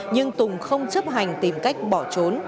nhưng tùng không chấp hành tìm cách bỏ trốn